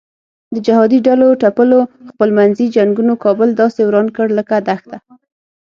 د جهادي ډلو ټپلو خپل منځي جنګونو کابل داسې وران کړ لکه دښته.